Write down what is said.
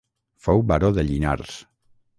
Fou baró de Llinars.